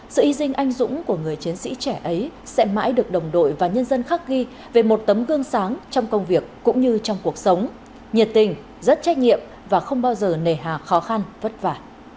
sự hy sinh anh dũng của người chiến sĩ trẻ ấy sẽ mãi được đồng đội và nhân dân khắc ghi về một tấm gương sáng trong công việc cũng như trong cuộc sống nhiệt tình rất trách nhiệm và không bao giờ nề hà khó khăn vất vả